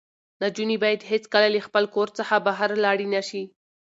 نجونې باید هېڅکله له خپل کور څخه بهر لاړې نه شي.